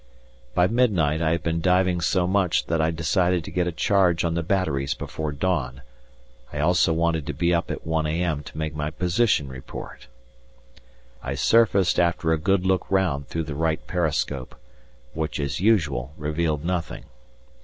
By midnight I had been diving so much that I decided to get a charge on the batteries before dawn; I also wanted to be up at 1 a.m. to make my position report. I surfaced after a good look round through the right periscope, which, as usual, revealed nothing.